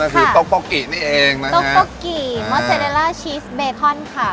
นั่นคือต๊อกโป๊กินี่เองนะฮะต๊อกโป๊กิมอเซเดลล่าชีสเบคอนค่ะ